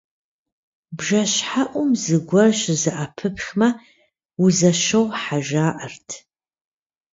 Бжэщхьэӏум зыгуэр щызэӏэпыпхмэ, узэщохьэ жаӏэрт.